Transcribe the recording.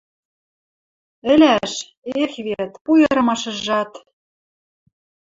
Ӹлӓш? Эх вет, пуйырымашыжат!